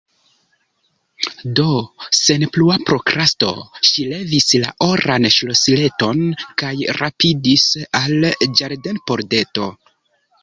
Do, sen plua prokrasto ŝi levis la oran ŝlosileton kaj rapidis al la ĝardenpordeto.